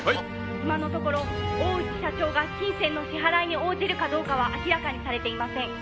「今のところ大内社長が金銭の支払いに応じるかどうかは明らかにされていません」